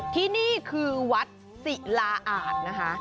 ที่นี่คือวัดศิลาอาจนะคะ